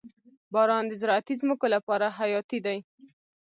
• باران د زراعتي ځمکو لپاره حیاتي دی.